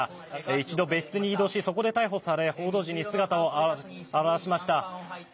一度、別室に移動しそこで逮捕され報道陣に姿を現しました。